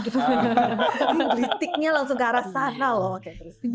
tergelitiknya langsung ke arah sana loh oke terus